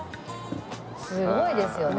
すごいですよね。